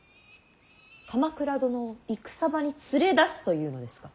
鎌倉殿を戦場に連れ出すというのですか。